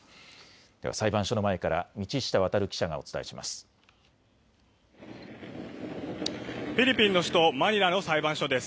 では裁判所の前から道下航記者がお伝えします。